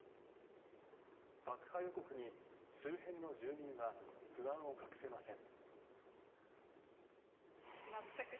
爆破予告に周辺の住民は不安を隠せません。